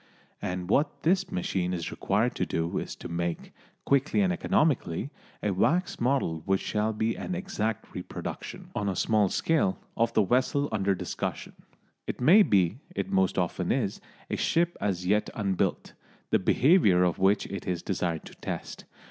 And what this machine is required to do is to make, quickly and economically, a wax model which shall be an exact reproduction, on a small scale, of the vessel under discussion. It may be it most often is a ship as yet unbuilt, the behaviour of which it is desired to test.